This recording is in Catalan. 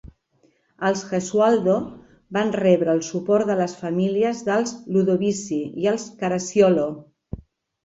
Els Gesualdo van rebre el suport de les famílies dels Ludovisi i els Caracciolo.